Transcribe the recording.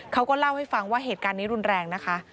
เขาก็เล่าให้ฟังว่าเหตุการณ์นี้รุนแรงนะคะ